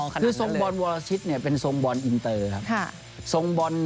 คือทรงบอลวรชิตเป็นทรงบอลอินเตอร์ครับ